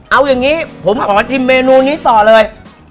เอาอย่างนี้ผมขอชิมเมนูนี้ต่อเลย